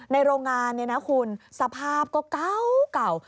โรงงานเนี่ยนะคุณสภาพก็เก่า